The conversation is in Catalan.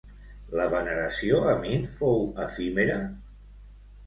La veneració a Min fou efímera?